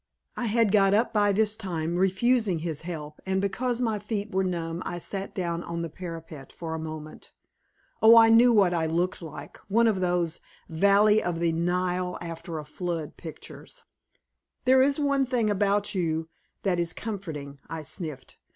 I had got up by this time, refusing his help, and because my feet were numb, I sat down on the parapet for a moment. Oh, I knew what I looked like one of those "Valley of the Nile After a Flood" pictures. "There is one thing about you that is comforting," I sniffed.